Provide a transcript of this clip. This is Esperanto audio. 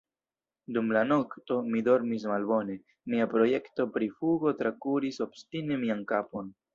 Dum la nokto, mi dormis malbone; mia projekto pri fugo trakuris obstine mian kapon.